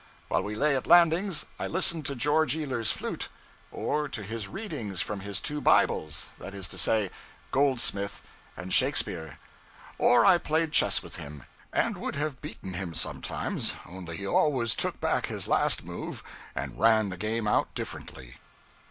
While we lay at landings, I listened to George Ealer's flute; or to his readings from his two bibles, that is to say, Goldsmith and Shakespeare; or I played chess with him and would have beaten him sometimes, only he always took back his last move and ran the game out differently.